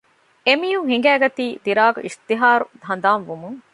އެމީހުން ހީނގަތީ ދިރާގް އިސްތިހާރު ހަނދާން ވުމުން